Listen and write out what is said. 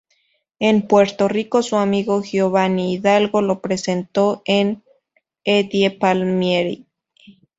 En Puerto Rico, su amigo Giovanni Hidalgo lo presentó a Eddie Palmieri.